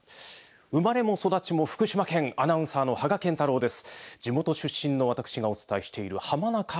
生まれも育ちも福島県アナウンサーの芳賀健太郎です。